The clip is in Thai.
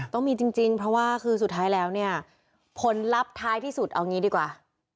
ต้องมีจริงเพราะว่าคือสุดท้ายแล้วเนี่ยผลลัพธ์ท้ายที่สุดเอางี้ดีกว่า